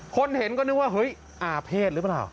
คนเห็นก็นึกว่าเฮ้ยอาเภษหรือเปล่า